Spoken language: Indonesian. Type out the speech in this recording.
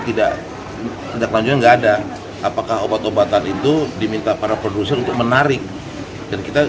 tidak tindak lanjutnya enggak ada apakah obat obatan itu diminta para produsen untuk menarik dan kita